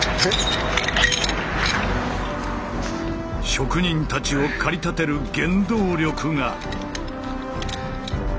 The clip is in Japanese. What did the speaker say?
職人たちを駆り立てる原動力が。